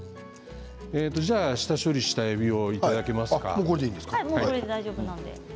下処理したえびをいただけますか？